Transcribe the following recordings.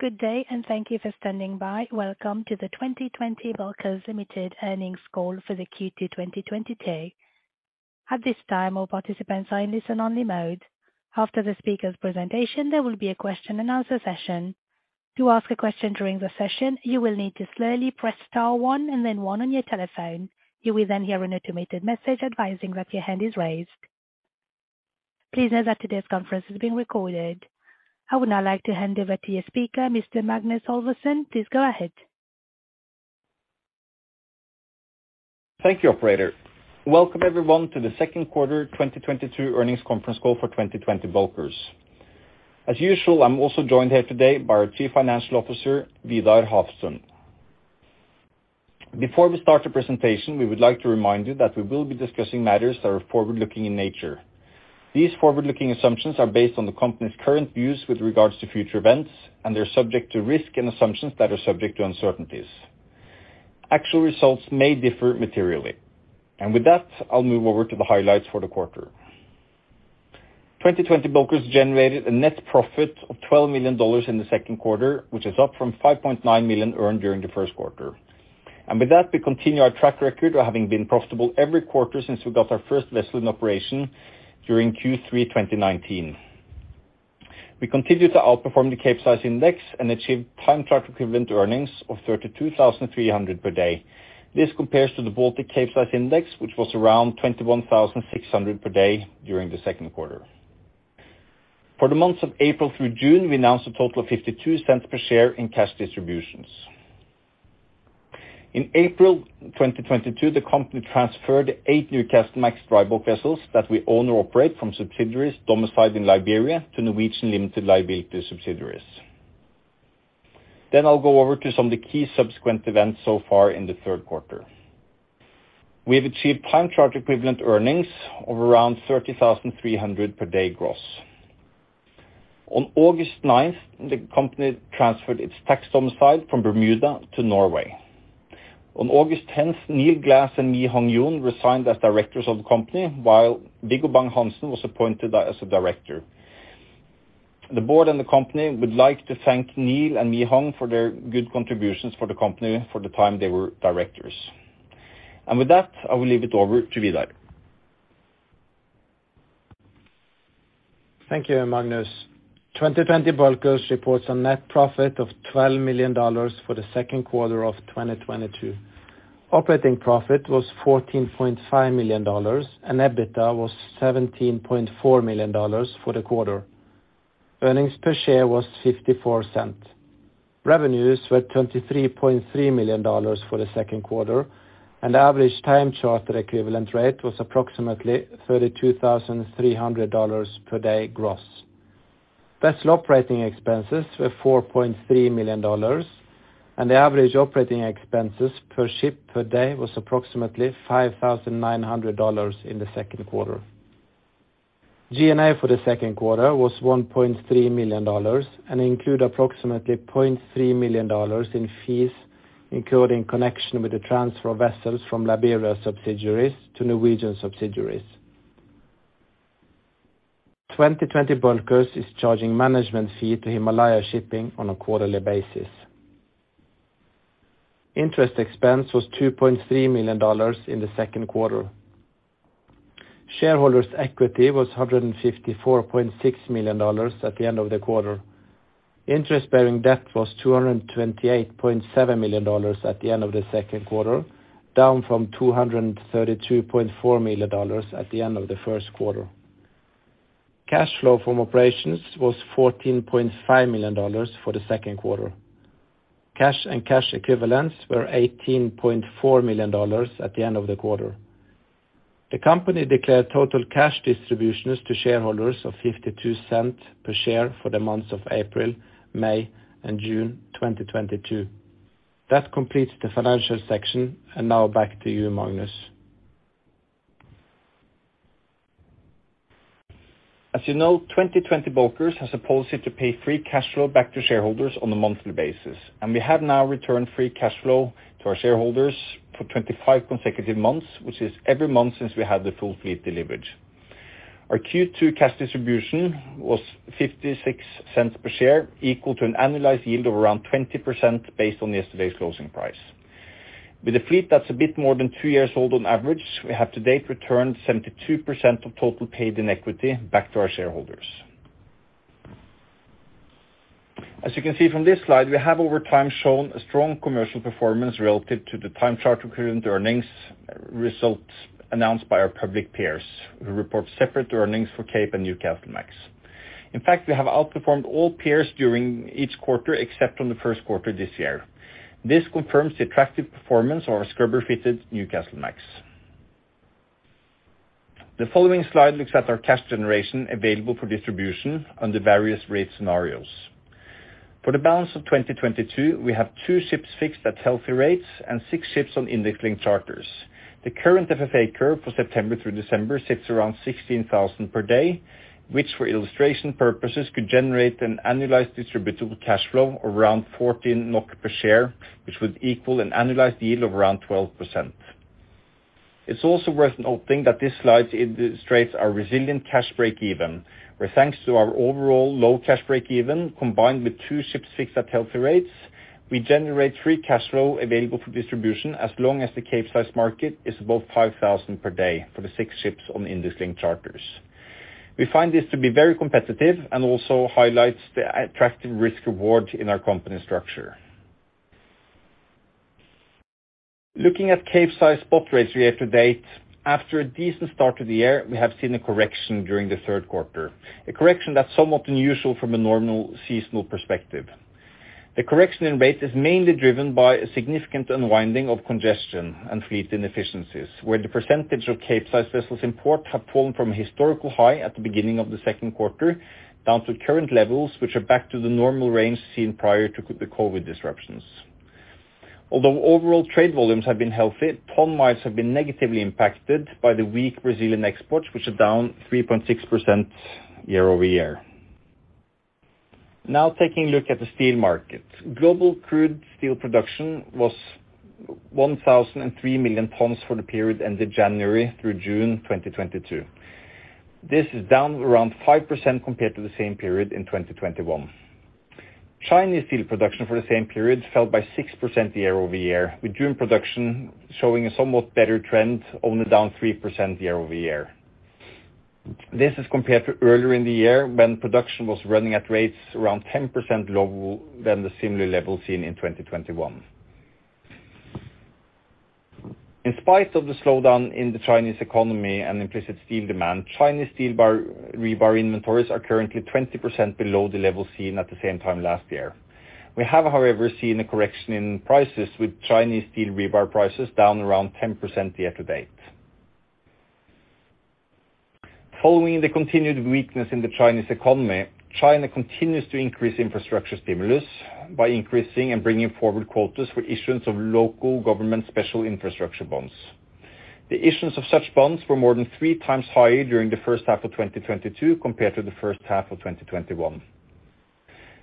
Good day, and thank you for standing by. Welcome to the 2020 Bulkers Ltd Earnings Call for the Q2 2022. At this time, all participants are in listen-only mode. After the speaker's presentation, there will be a question-and-answer session. To ask a question during the session, you will need to slowly press star one and then one on your telephone. You will then hear an automated message advising that your hand is raised. Please note that today's conference is being recorded. I would now like to hand over to your speaker, Mr. Magnus Halvorsen. Please go ahead. Thank you, operator. Welcome everyone to the Second Quarter 2022 Earnings Conference Call for 2020 Bulkers. As usual, I'm also joined here today by our Chief Financial Officer, Vidar Hasund. Before we start the presentation, we would like to remind you that we will be discussing matters that are forward-looking in nature. These forward-looking assumptions are based on the company's current views with regards to future events, and they're subject to risk and assumptions that are subject to uncertainties. Actual results may differ materially. With that, I'll move over to the highlights for the quarter. 2020 Bulkers generated a net profit of $12 million in the second quarter, which is up from $5.9 million earned during the first quarter. With that, we continue our track record of having been profitable every quarter since we got our first vessel in operation during Q3 2019. We continue to outperform the Capesize index and achieve time charter equivalent earnings of $32,300 per day. This compares to the Baltic Capesize Index, which was around $21,600 per day during the second quarter. For the months of April through June, we announced a total of $0.52 per share in cash distributions. In April 2022, the company transferred eight Newcastlemax vessels that we own or operate from subsidiaries domiciled in Liberia to Norwegian limited liability subsidiaries. I'll go over to some of the key subsequent events so far in the third quarter. We have achieved time charter equivalent earnings of around $30,300 per day gross. On August 9th, the company transferred its tax domicile from Bermuda to Norway. On August 10th, Neil Glass and Mi Hong Yoon resigned as directors of the company, while Viggo Bang-Hansen was appointed as a director. The board and the company would like to thank Neil and Mi Hong for their good contributions for the company for the time they were directors. With that, I will leave it over to Vidar. Thank you, Magnus. 2020 Bulkers reports a net profit of $12 million for the second quarter of 2022. Operating profit was $14.5 million, and EBITDA was $17.4 million for the quarter. Earnings per share was $0.54. Revenues were $23.3 million for the second quarter, and average time charter equivalent rate was approximately $32,300 per day gross. Vessel operating expenses were $4.3 million, and the average operating expenses per ship per day was approximately $5,900 in the second quarter. G&A for the second quarter was $1.3 million and include approximately $0.3 million in fees, including connection with the transfer of vessels from Liberia subsidiaries to Norwegian subsidiaries. 2020 Bulkers is charging management fee to Himalaya Shipping on a quarterly basis. Interest expense was $2.3 million in the second quarter. Shareholders equity was $154.6 million at the end of the quarter. Interest bearing debt was $228.7 million at the end of the second quarter, down from $232.4 million at the end of the first quarter. Cash flow from operations was $14.5 million for the second quarter. Cash and cash equivalents were $18.4 million at the end of the quarter. The company declared total cash distributions to shareholders of $0.52 per share for the months of April, May, and June 2022. That completes the financial section. Now back to you, Magnus. As you know, 2020 Bulkers has a policy to pay free cash flow back to shareholders on a monthly basis, and we have now returned free cash flow to our shareholders for 25 consecutive months, which is every month since we had the full fleet delivered. Our Q2 cash distribution was $0.56 per share, equal to an annualized yield of around 20% based on yesterday's closing price. With a fleet that's a bit more than 2 years old on average, we have to date returned 72% of total paid in equity back to our shareholders. As you can see from this slide, we have over time shown a strong commercial performance relative to the time charter equivalent earnings results announced by our public peers who report separate earnings for Capesize and Newcastlemax. In fact, we have outperformed all peers during each quarter except from the first quarter this year. This confirms the attractive performance of our scrubber-fitted Newcastlemax. The following slide looks at our cash generation available for distribution under various rate scenarios. For the balance of 2022, we have two ships fixed at healthy rates and six ships on index-linked charters. The current FFA curve for September through December sits around $16,000 per day, which for illustration purposes could generate an annualized distributable cash flow of around 14 NOK per share, which would equal an annualized yield of around 12%. It's also worth noting that this slide illustrates our resilient cash break-even, where thanks to our overall low cash break-even, combined with two ships fixed at healthy rates, we generate free cash flow available for distribution as long as the Capesize market is above $5,000 per day for the six ships on index-linked charters. We find this to be very competitive and also highlights the attractive risk reward in our company structure. Looking at Capesize spot rates year-to-date, after a decent start to the year, we have seen a correction during the third quarter, a correction that's somewhat unusual from a normal seasonal perspective. The correction in rates is mainly driven by a significant unwinding of congestion and fleet inefficiencies, where the percentage of Capesize vessels in port have fallen from a historical high at the beginning of the second quarter, down to current levels, which are back to the normal range seen prior to the COVID disruptions. Although overall trade volumes have been healthy, ton-miles have been negatively impacted by the weak Brazilian exports, which are down 3.6% year-over-year. Now taking a look at the steel market. Global crude steel production was 1,003 million tons for the period ended January through June 2022. This is down around 5% compared to the same period in 2021. Chinese steel production for the same period fell by 6% year-over-year, with June production showing a somewhat better trend, only down 3% year-over-year. This is compared to earlier in the year when production was running at rates around 10% lower than the similar levels seen in 2021. In spite of the slowdown in the Chinese economy and implicit steel demand, Chinese steel rebar inventories are currently 20% below the level seen at the same time last year. We have, however, seen a correction in prices, with Chinese steel rebar prices down around 10% year-to-date. Following the continued weakness in the Chinese economy, China continues to increase infrastructure stimulus by increasing and bringing forward quotas for issuance of local government special infrastructure bonds. The issuance of such bonds were more than 3 times higher during the first half of 2022 compared to the first half of 2021.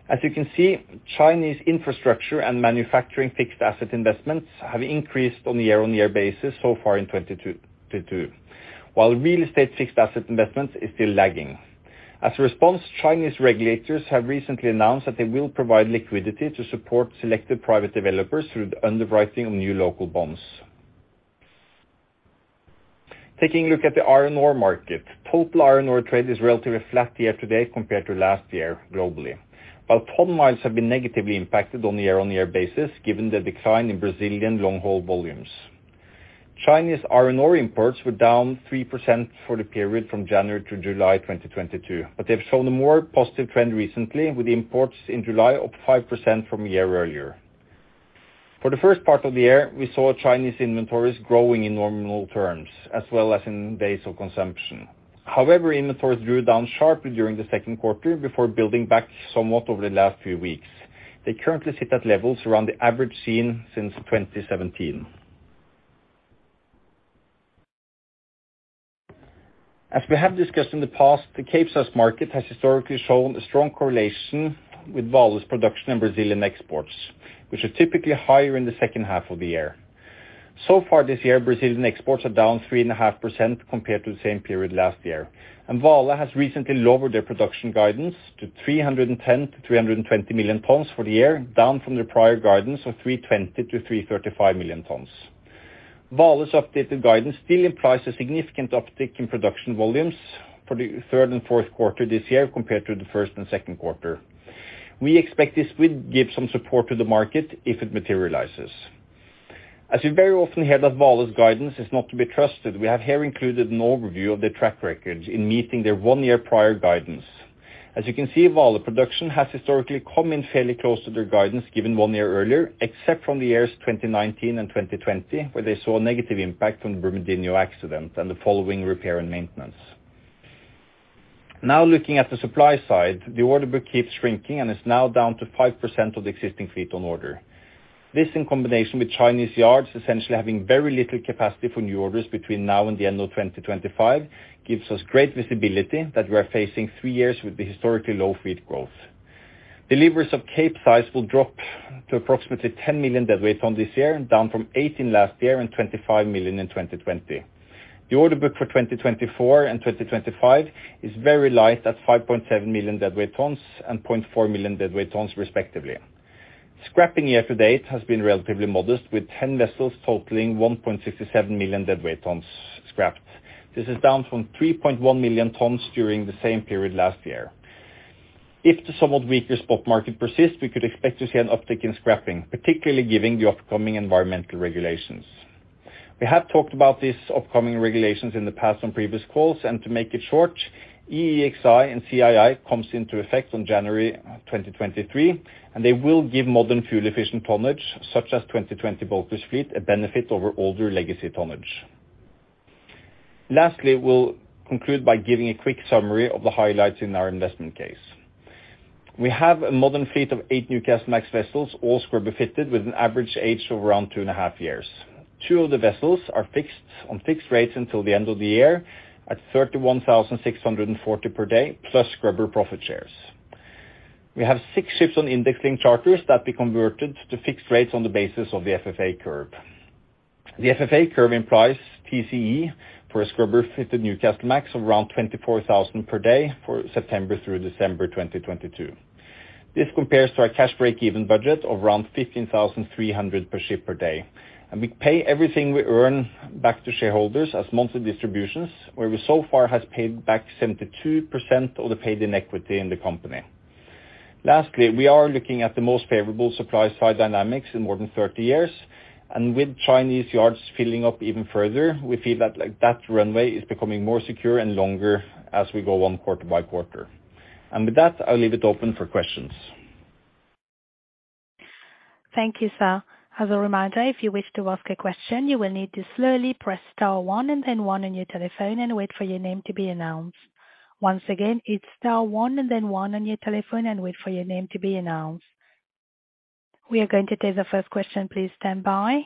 As you can see, Chinese infrastructure and manufacturing fixed asset investments have increased on a year-on-year basis so far in 2022, while real estate fixed asset investment is still lagging. As a response, Chinese regulators have recently announced that they will provide liquidity to support selected private developers through the underwriting of new local bonds. Taking a look at the iron ore market. Total iron ore trade is relatively flat year-to-date compared to last year globally. While ton-miles have been negatively impacted on a year-on-year basis given the decline in Brazilian long-haul volumes. Chinese iron ore imports were down 3% for the period from January to July 2022, but they have shown a more positive trend recently, with imports in July up 5% from a year earlier. For the first part of the year, we saw Chinese inventories growing in nominal terms as well as in days of consumption. However, inventories drew down sharply during the second quarter before building back somewhat over the last few weeks. They currently sit at levels around the average seen since 2017. As we have discussed in the past, the Capesize market has historically shown a strong correlation with Vale's production and Brazilian exports, which are typically higher in the second half of the year. So far this year, Brazilian exports are down 3.5% compared to the same period last year. Vale has recently lowered their production guidance to 310-320 million tons for the year, down from their prior guidance of 320-335 million tons. Vale's updated guidance still implies a significant uptick in production volumes for the third and fourth quarter this year compared to the first and second quarter. We expect this will give some support to the market if it materializes. As you very often hear that Vale's guidance is not to be trusted, we have here included an overview of their track records in meeting their one-year prior guidance. As you can see, Vale production has historically come in fairly close to their guidance given one year earlier, except from the years 2019 and 2020, where they saw a negative impact from the Brumadinho accident and the following repair and maintenance. Now looking at the supply side, the order book keeps shrinking and is now down to 5% of the existing fleet on order. This, in combination with Chinese yards essentially having very little capacity for new orders between now and the end of 2025, gives us great visibility that we are facing three years with the historically low fleet growth. Deliveries of Capesize will drop to approximately 10 million deadweight tons this year, down from 18 last year and 25 million in 2020. The order book for 2024 and 2025 is very light at 5.7 million deadweight tons and 0.4 million deadweight tons respectively. Scrapping year-to-date has been relatively modest, with 10 vessels totaling 1.67 million deadweight tons scrapped. This is down from 3.1 million tons during the same period last year. If the somewhat weaker spot market persists, we could expect to see an uptick in scrapping, particularly given the upcoming environmental regulations. We have talked about these upcoming regulations in the past on previous calls, and to make it short, EEXI and CII comes into effect on January 2023, and they will give modern fuel-efficient tonnage, such as 2020 Bulkers fleet, a benefit over older legacy tonnage. Lastly, we'll conclude by giving a quick summary of the highlights in our investment case. We have a modern fleet of eight Newcastlemax vessels, all scrubber-fitted with an average age of around two and a half years. Two of the vessels are fixed on fixed rates until the end of the year at $31,600 per day, plus scrubber profit shares. We have six ships on indexing charters that we converted to fixed rates on the basis of the FFA curve. The FFA curve implies TCE for a scrubber-fitted Newcastlemax of around $24,000 per day for September through December 2022. This compares to our cash break-even budget of around $15,300 per ship per day. We pay everything we earn back to shareholders as monthly distributions, where we so far has paid back 72% of the paid-in equity in the company. Lastly, we are looking at the most favorable supply side dynamics in more than 30 years. With Chinese yards filling up even further, we feel that, like, that runway is becoming more secure and longer as we go on quarter-by-quarter. With that, I'll leave it open for questions. Thank you, sir. As a reminder, if you wish to ask a question, you will need to slowly press star one and then one on your telephone and wait for your name to be announced. Once again, it's star one and then one on your telephone and wait for your name to be announced. We are going to take the first question. Please stand by.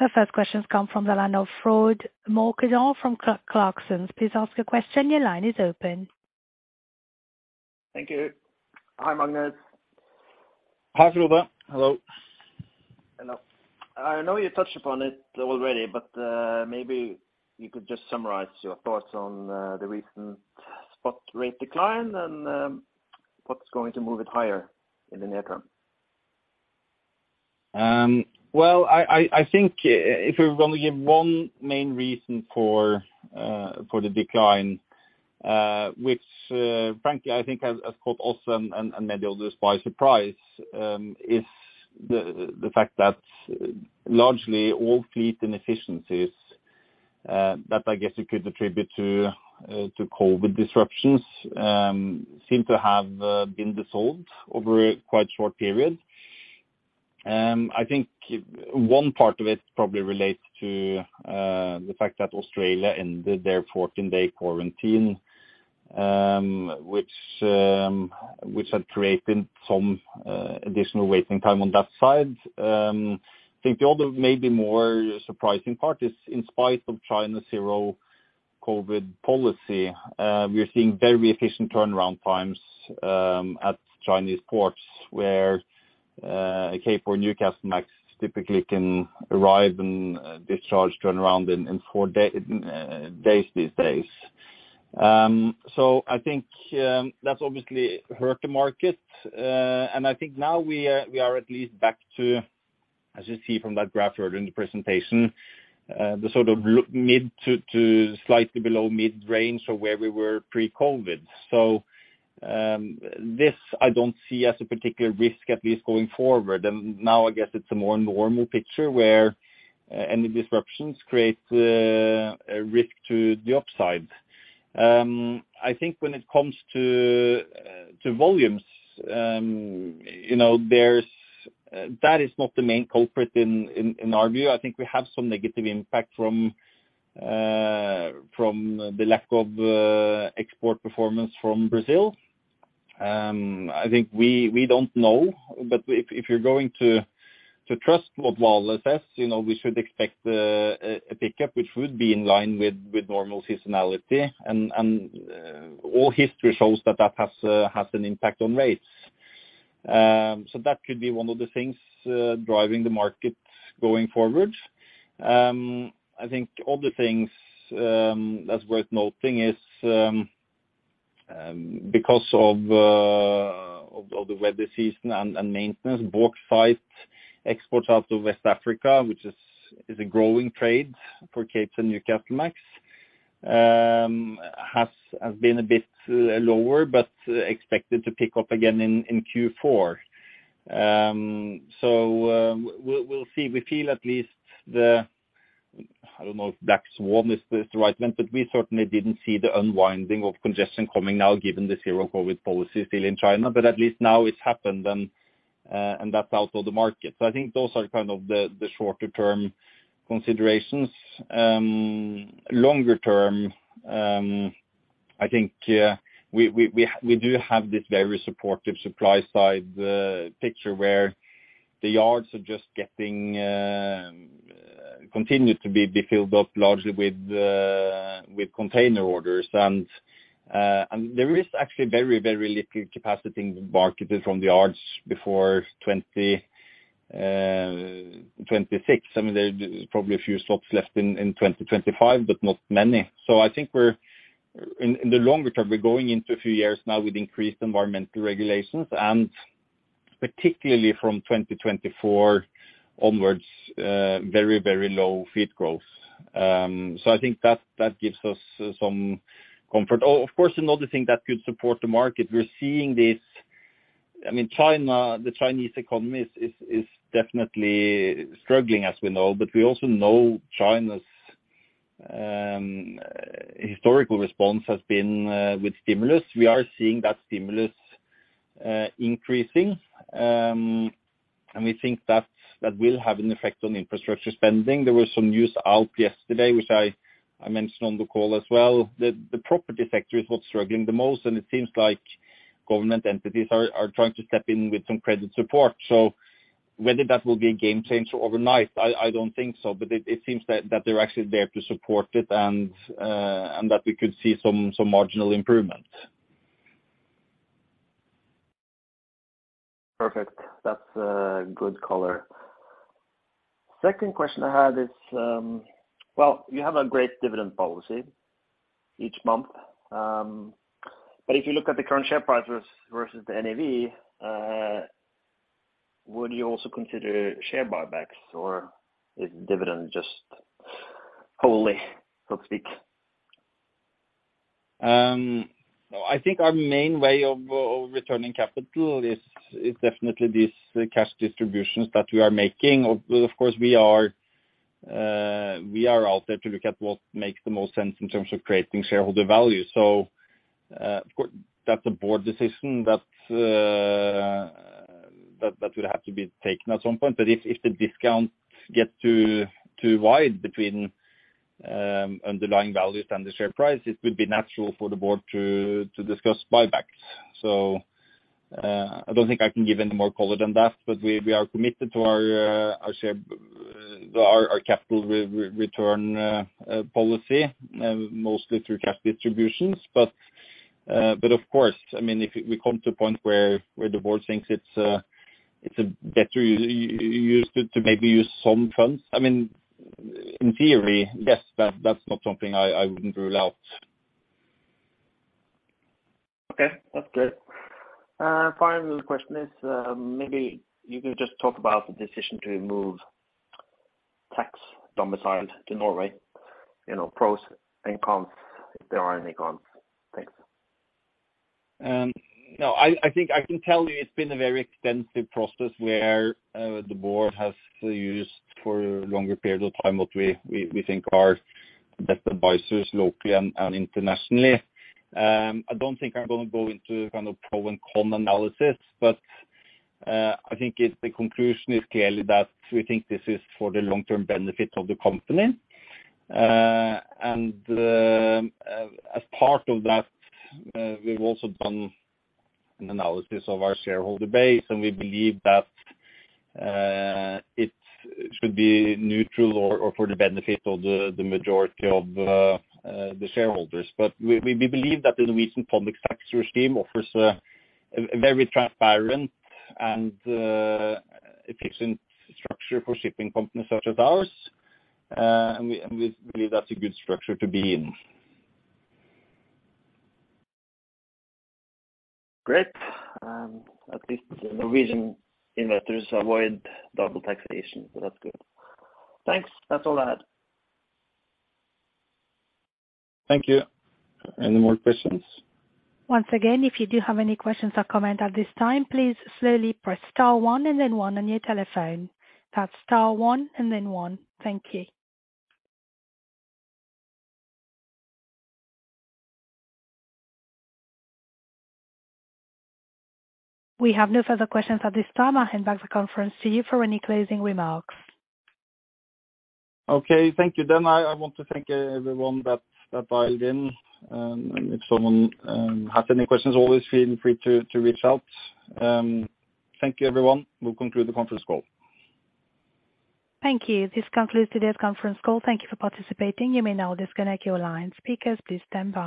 The first question comes from the line of Frode Mørkedal from Clarksons. Please ask your question. Your line is open. Thank you. Hi, Magnus. Hi, Frode. Hello. Hello. I know you touched upon it already, but maybe you could just summarize your thoughts on the recent spot rate decline and what's going to move it higher in the near term. Well, I think if you're gonna give one main reason for the decline, which frankly I think has caught also and many others by surprise, is the fact that largely all fleet inefficiencies that I guess you could attribute to COVID disruptions seem to have been dissolved over a quite short period. I think one part of it probably relates to the fact that Australia ended their 14-day quarantine, which had created some additional waiting time on that side. I think the other maybe more surprising part is in spite of China's zero COVID policy, we are seeing very efficient turnaround times at Chinese ports where a Capesize or Newcastlemax typically can arrive and discharge turnaround in 4 days these days. I think that's obviously hurt the market. I think now we are at least back to, as you see from that graph earlier in the presentation, the sort of mid to slightly below mid-range from where we were pre-COVID. This I don't see as a particular risk at least going forward. Now I guess it's a more normal picture where any disruptions create a risk to the upside. I think when it comes to volumes, you know, that is not the main culprit in our view. I think we have some negative impact from the lack of export performance from Brazil. I think we don't know. If you're going to trust what Vale says, you know, we should expect a pickup which would be in line with normal seasonality and all history shows that has an impact on rates. That could be one of the things driving the market going forward. I think other things that's worth noting is because of the weather season and maintenance, bauxite exports out of West Africa, which is a growing trade for Capesize and Newcastlemax, has been a bit lower but expected to pick up again in Q4. We'll see. We feel at least the... I don't know if black swan is the right one, but we certainly didn't see the unwinding of congestion coming now given the zero COVID policy still in China. At least now it's happened and that's out of the market. I think those are kind of the shorter term considerations. Longer term, I think we do have this very supportive supply side picture where the yards are just getting continued to be filled up largely with container orders. There is actually very, very little capacity in the market from the yards before 2026. I mean, there's probably a few slots left in 2025, but not many. I think in the longer term, we're going into a few years now with increased environmental regulations, and particularly from 2024 onwards, very low fleet growth. I think that gives us some comfort. Of course, another thing that could support the market, we're seeing this I mean, China, the Chinese economy is definitely struggling as we know. We also know China's historical response has been with stimulus. We are seeing that stimulus increasing. We think that will have an effect on infrastructure spending. There was some news out yesterday which I mentioned on the call as well, that the property sector is what's struggling the most. It seems like government entities are trying to step in with some credit support. Whether that will be a game changer overnight, I don't think so, but it seems that they're actually there to support it and that we could see some marginal improvement. Perfect. That's good color. Second question I had is, well, you have a great dividend policy each month, but if you look at the current share prices versus the NAV, would you also consider share buybacks, or is dividend just wholly, so to speak? I think our main way of returning capital is definitely these cash distributions that we are making. Of course, we are out there to look at what makes the most sense in terms of creating shareholder value. That's a board decision that will have to be taken at some point. If the discounts get too wide between underlying values and the share price, it would be natural for the board to discuss buybacks. I don't think I can give any more color than that, but we are committed to our capital return policy, mostly through cash distributions. Of course, I mean, if we come to a point where the board thinks it's better to use some funds. I mean, in theory, yes, that's not something I wouldn't rule out. Okay, that's good. Final question is, maybe you can just talk about the decision to move tax domiciles to Norway. You know, pros and cons, if there are any cons. Thanks. No. I think I can tell you it's been a very extensive process where the board has used for a longer period of time what we think are better advisors locally and internationally. I don't think I'm gonna go into kind of pro and con analysis, but I think if the conclusion is clearly that we think this is for the long-term benefit of the company. As part of that, we've also done an analysis of our shareholder base, and we believe that it should be neutral or for the benefit of the majority of the shareholders. We believe that the Norwegian tonnage tax scheme offers a very transparent and efficient structure for shipping companies such as ours. We believe that's a good structure to be in. Great. At least the Norwegian investors avoid double taxation, so that's good. Thanks. That's all I had. Thank you. Any more questions? Once again, if you do have any questions or comments at this time, please slowly press star one and then one on your telephone. That's star one and then one. Thank you. We have no further questions at this time. I'll hand back the conference to you for any closing remarks. Okay, thank you. I want to thank everyone that dialed in, and if someone has any questions, always feel free to reach out. Thank you, everyone. We'll conclude the conference call. Thank you. This concludes today's conference call. Thank you for participating. You may now disconnect your line. Speakers, please stand by.